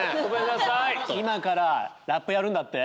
今からラップやるんだって？